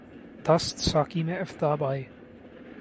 دست ساقی میں آفتاب آئے